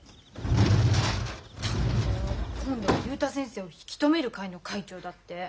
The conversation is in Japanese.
ったくもう今度は竜太先生を引き止める会の会長だって。